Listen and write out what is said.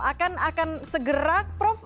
akan segera prof